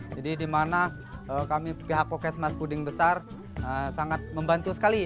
jadi di mana kami pihak kokesmas puding besar sangat membantu sekali